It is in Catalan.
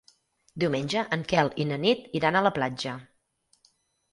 Diumenge en Quel i na Nit iran a la platja.